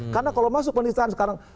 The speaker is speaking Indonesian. karena kalau masuk penistaan sekarang